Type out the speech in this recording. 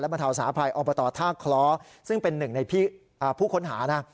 บรรเทาสาภัยอบตท่าคล้อซึ่งเป็นหนึ่งในผู้ค้นหานะ